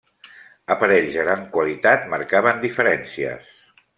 Aparells de gran qualitat, marcaven diferències.